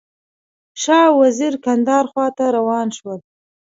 شاه او وزیر کندهار خواته روان شول.